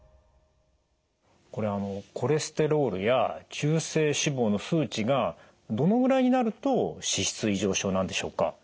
これあのコレステロールや中性脂肪の数値がどのぐらいになると脂質異常症なんでしょうか？